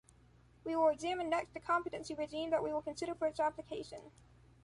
We will examine next the competency regime that we will consider for its application.